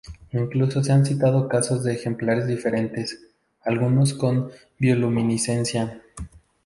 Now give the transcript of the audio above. Incluso se han citado casos de ejemplares diferentes, algunos con bioluminiscencia.